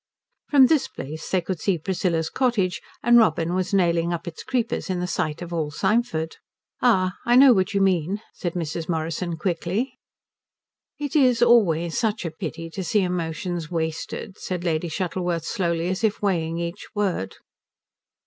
From this place they could see Priscilla's cottage, and Robin was nailing up its creepers in the sight of all Symford. "Ah I know what you mean," said Mrs. Morrison quickly. "It is always such a pity to see emotions wasted," said Lady Shuttleworth slowly, as if weighing each word.